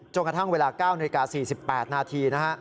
จนกระทั่งเวลา๙นาที๔๘นาที